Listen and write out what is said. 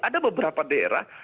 ada beberapa daerah